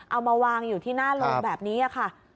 เอามาวางอยู่ที่หน้าโรงแบบนี้ค่ะ